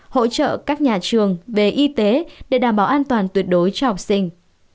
hỗ trợ các nhà trường về y tế để đảm bảo an toàn tuyệt đối cho học sinh